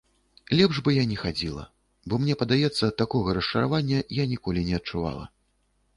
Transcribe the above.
Лепш бы я не хадзіла, бо мне падаецца, такога расчаравання я ніколі не адчувала.